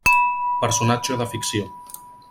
Personatge de ficció.